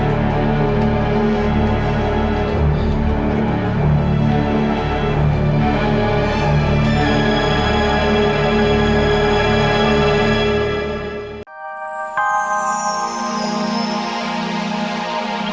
aida jangan lupa untuk mencari aida